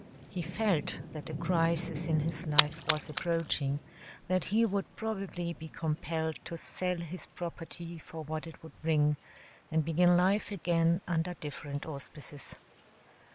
He felt that a crisis in his life was approaching, that he would probably be compelled to sell his property for what it would bring, and begin life again under different auspices.